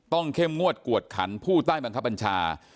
เข้มงวดกวดขันผู้ใต้บังคับบัญชา